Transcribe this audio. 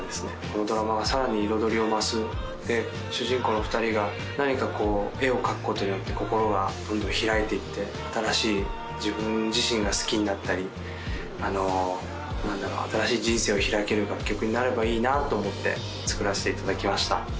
このドラマがさらに彩りを増すで主人公の２人が何かこう絵を描くことによって心がどんどん開いていって新しい自分自身が好きになったり何だろう新しい人生を開ける楽曲になればいいなと思って作らしていただきました